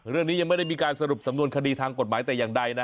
เรื่องนี้ยังไม่ได้มีการสรุปสำนวนคดีทางกฎหมายแต่อย่างใดนะ